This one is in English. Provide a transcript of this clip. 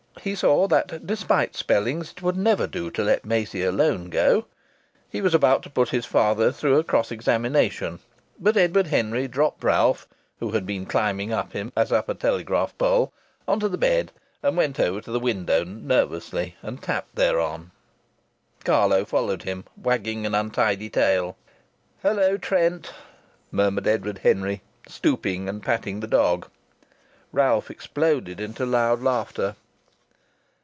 He saw that, despite spellings, it would never do to let Maisie alone go. He was about to put his father through a cross examination, but Henry Edward dropped Ralph (who had been climbing up him as up a telegraph pole) on to the bed and went over to the window, nervously, and tapped thereon. Carlo followed him, wagging an untidy tail. "Hello, Trent!" murmured Edward Henry, stooping and patting the dog. Ralph exploded into loud laughter.